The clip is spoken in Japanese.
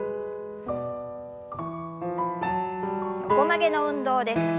横曲げの運動です。